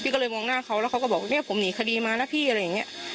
ก็เลยมองหน้าเขาแล้วเขาก็บอกเนี่ยผมหนีคดีมานะพี่อะไรอย่างนี้